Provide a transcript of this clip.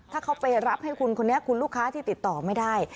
ถ้าเขาไปรับให้คุณคนนี้คุณลูกค้าที่ติดต่อไม่ได้